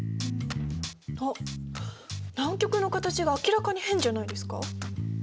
あっ南極の形が明らかに変じゃないですか？